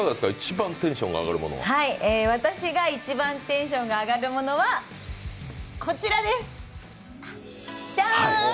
私が一番テンションが上がるものはこちらです。